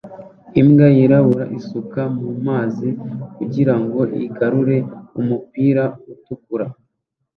Imbwa yirabura isuka mumazi kugirango igarure umupira utukura